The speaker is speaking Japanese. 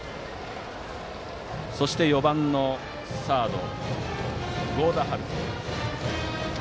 そして４番のサード、合田華都。